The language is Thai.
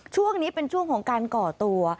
ช่วงนี้เป็นช่วงของการก่อตัว